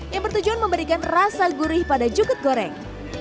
yang bertujuan memberikan rasa gurih pada jukut goreng